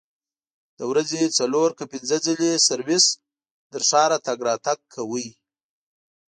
د ورځې څلور که پنځه ځلې سرویس تر ښاره تګ راتګ کاوه.